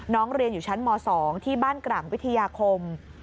เรียนอยู่ชั้นม๒ที่บ้านกร่างวิทยาคม